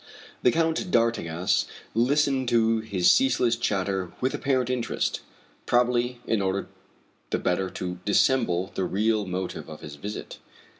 The Count d'Artigas listened to his ceaseless chatter with apparent interest, probably in order the better to dissemble the real motive of his visit.